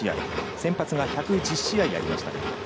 先発が１１０試合がありました。